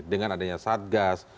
dengan adanya satgas